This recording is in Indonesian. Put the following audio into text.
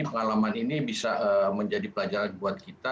pengalaman ini bisa menjadi pelajaran buat kita